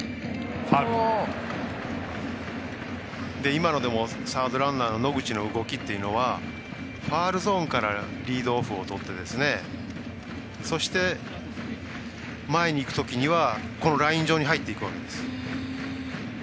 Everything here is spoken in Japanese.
今のでもサードランナーの野口の動きというのはファウルゾーンからリードオフをとってそして、前にいくときにはライン上に入っていくわけです。